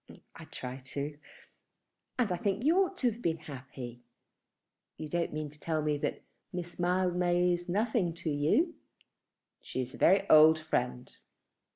"I try to; and I think you ought to have been happy. You don't mean to tell me that Miss Mildmay is nothing to you?" "She is a very old friend."